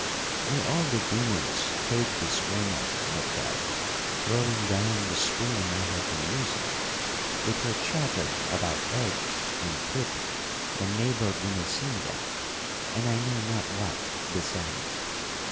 "'May all the demons take this woman!' I cried, throwing down the spoon I had been using, 'with her chatter about eggs and pip and neighbour Gumesinda, and I know not what besides!